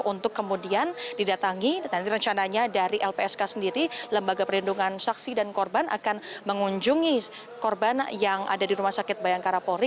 untuk kemudian didatangi nanti rencananya dari lpsk sendiri lembaga perlindungan saksi dan korban akan mengunjungi korban yang ada di rumah sakit bayangkara polri